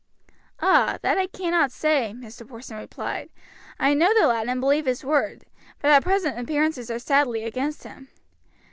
"Ah! that I cannot say," Mr. Porson replied. "I know the lad and believe his word; but at present appearances are sadly against him.